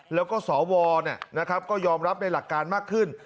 แล้วก็สวก็ยอมรับในหลักการมากขึ้น